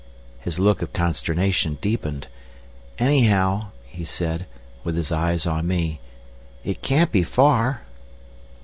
His look of consternation deepened. "Anyhow," he said, with his eyes on me, "it can't be far."